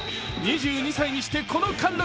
２２歳にしてこの貫禄。